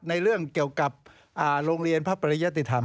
ในเรื่องเกี่ยวกับโรงเรียนพระปริยติธรรม